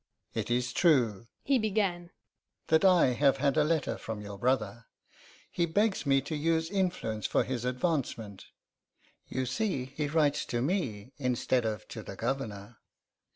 'It is true,' he began, 'that I have had a letter from your brother. He begs me to use influence for his advancement. You see he writes to me instead of to the Governor.